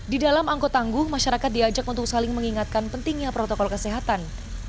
di dalam angkot tangguh masyarakat diajak untuk saling mengingatkan pentingnya protokol kesehatan